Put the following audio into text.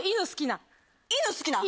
犬好きな。